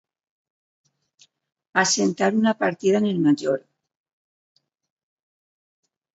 Assentar una partida en el major.